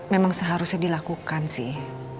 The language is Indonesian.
memang seharusnya dilakukan sih